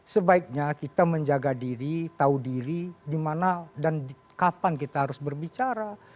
sebaiknya kita menjaga diri tahu diri di mana dan kapan kita harus berbicara